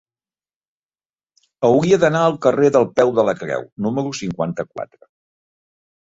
Hauria d'anar al carrer del Peu de la Creu número cinquanta-quatre.